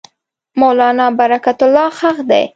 مولنا برکت الله ښخ دی.